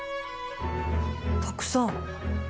たくさん。